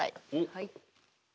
はい。